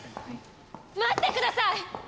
待ってください！